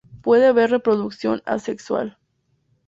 Puede haber reproducción asexual.